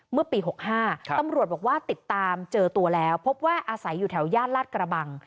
เมื่อปี๖๕ตำรวจบอกว่าติดตามเจอตัวแล้วพบว่าอาศัยอยู่แถวย่านลาดกระบัง